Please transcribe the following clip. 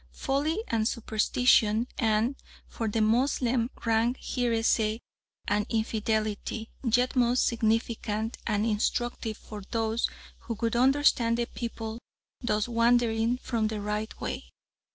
Folly and superstition, and, for the Moslem, rank heresy and infidelity, yet most significant and instructive for those who would understand the people thus wandering from the right way.